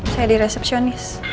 saya di resepsionis